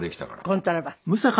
コントラバス。